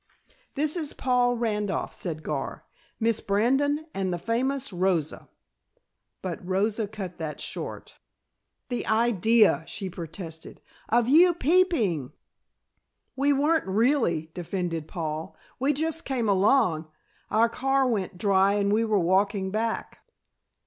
"This is Paul Randolph," said Gar, "Miss Brandon and the famous Rosa " But Rosa cut that short. "The idea," she protested, "of you peeping." "We weren't, really," defended Paul. "We just came along. Our car went dry and we were walking back."